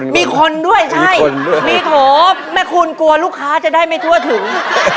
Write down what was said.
มีคนด้วยใช่มีโถแม่คุณกลัวลูกค้าจะได้ไม่ทั่วถึง